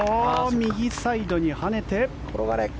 右サイドにはねて。